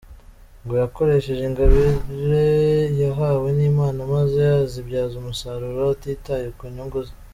Ngo yakoresheje ingabire yahawe n’ Imana maze azibyaza umusaruro atitaye ku nyungu ze.